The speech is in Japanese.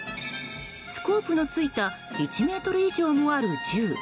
スコープのついた１ｍ以上もある銃。